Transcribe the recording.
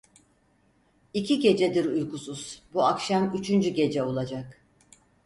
İki gecedir uykusuz, bu akşam üçüncü gece olacak…